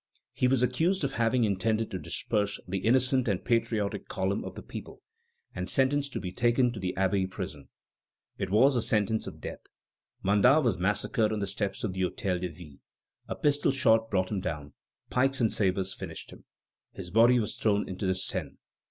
He was accused of having intended to disperse "the innocent and patriotic column of the people," and sentenced to be taken to the Abbey prison. It was a sentence of death. Mandat was massacred on the steps of the Hôtel de Ville. A pistol shot brought him down. Pikes and sabres finished him. His body was thrown into the Seine.